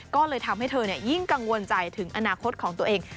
ก็เลยทำให้เธอยิ่งกังวลใจถึงอนาคตของตัวเอง